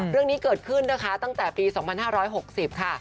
เรื่องนี้เกิดขึ้นนะคะตั้งแต่ปี๒๕๖๐ค่ะ